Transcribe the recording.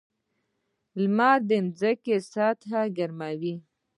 • لمر د ځمکې سطحه ګرموي.